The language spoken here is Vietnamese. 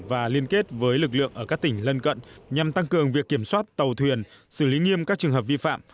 và liên kết với lực lượng ở các tỉnh lân cận nhằm tăng cường việc kiểm soát tàu thuyền xử lý nghiêm các trường hợp vi phạm